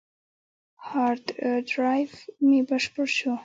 هارد ډرایو مې بشپړ شو.